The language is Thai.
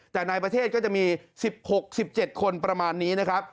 แต่ในประเทศก็จะมี๑๖๑๗คนประมาณนี้นะครับ